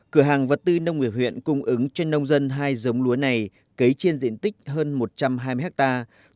cửa hàng vật tư nông nghiệp huyện cung ứng cho nông dân hai giống lúa này cấy trên diện tích hơn một trăm hai mươi hectare